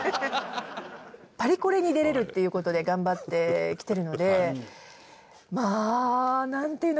パリコレに出れるっていう事で頑張ってきてるのでまあなんていうんだろうね。